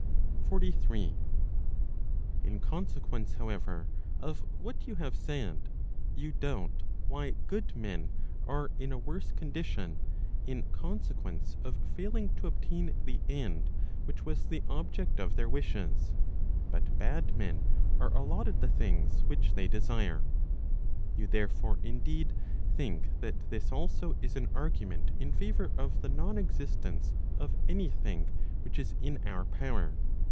43. In consequence however of what you have said, you doubt, why good men are in a "worse condition, in consequence of failing to obtain the end which was the object of their wishes, but bad men are allotted the things which they desire. You therefore indeed, think that this also is an argument in favour of the non existence of any thing which is in our power.